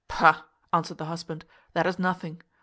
"Pugh!" answered the husband, "that is nothing.